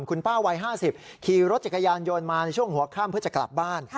คุณป้าวัย๕๐ขี่รถจักรยานยนต์มาในช่วงหัวข้ามเพื่อจะกลับบ้าน